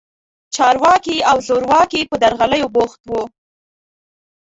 چارواکي او زورواکي په درغلیو بوخت وو.